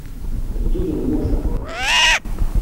Ddu d lmuja!